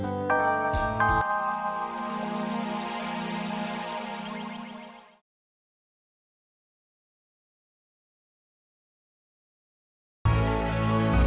tolong dibayarin sekalian